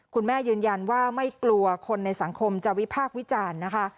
ยืนยันว่าไม่กลัวคนในสังคมจะวิพากษ์วิจารณ์นะคะ